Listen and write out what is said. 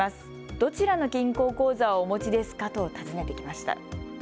どちらの銀行口座をお持ちですかと尋ねてきました。